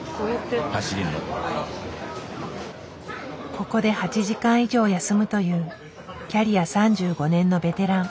ここで８時間以上休むというキャリア３５年のベテラン。